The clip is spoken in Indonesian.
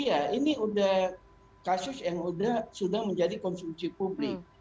iya ini sudah kasus yang sudah menjadi konsumsi publik